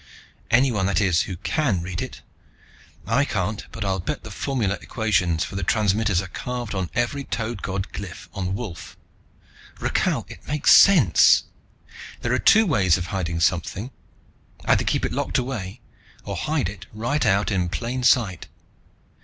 "Anyone, that is, who can read it! I can't, but I'll bet the formula equations for the transmitters are carved on every Toad God glyph on Wolf. Rakhal, it makes sense. There are two ways of hiding something. Either keep it locked away, or hide it right out in plain sight.